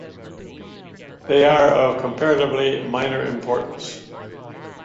They are of comparatively minor importance.